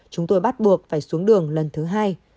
chúng tôi bắt buộc phải xuống đường lần thứ hai